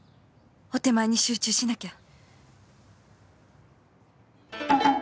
お点前に集中しなきゃ